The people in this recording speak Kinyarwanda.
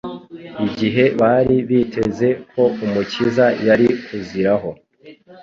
igihe bari biteze ko Umukiza yari kuziraho,